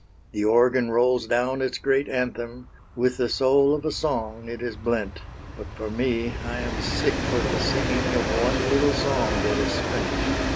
The organ rolls down its great anthem, With the soul of a song it is blent, But for me, I am sick for the singing Of one little song that is spent.